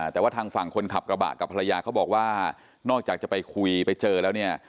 แต่ว่าทางฝั่งคนขับกระบะกับภรรยาเขาบอกว่านอกจากจะไปคุยไปเจอแล้วเนี่ย